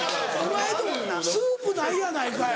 スープないやないかい。